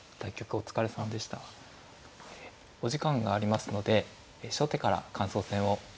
お時間がありますので初手から感想戦をお願いします。